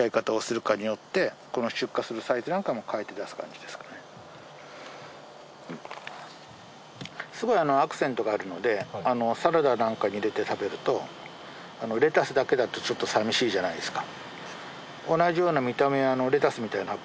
お客さんのすごいアクセントがあるのでサラダなんかに入れて食べるとレタスだけだとちょっと寂しいじゃないですか。